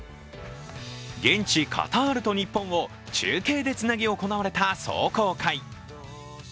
現地カタールと日本を中継でつなぎ行われた壮行会。